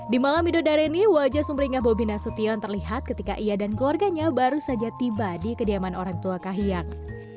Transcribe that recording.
di malam midodareni wajah sumringah bobi nasution terlihat ketika ia dan keluarganya baru saja tiba di kediaman orang tua kahiyang